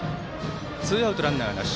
ツーアウト、ランナーなし。